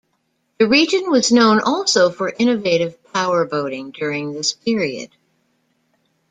The region was known also for innovative power boating during this period.